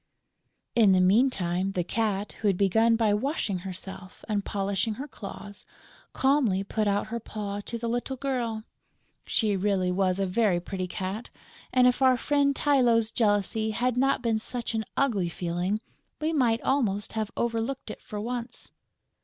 In the meantime, the Cat, who had begun by washing herself and polishing her claws, calmly put out her paw to the little girl. She really was a very pretty cat; and, if our friend Tylô's jealousy had not been such an ugly feeling, we might almost have overlooked it for once!